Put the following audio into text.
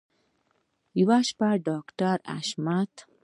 یوه شپه ډاکټر حشمت